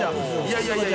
いやいや！